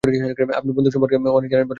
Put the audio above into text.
আপনি বন্দুক সম্পর্কে অনেক জানেন মনে হয়।